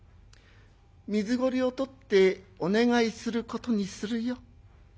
水ごりをとってお願いすることにするよ」。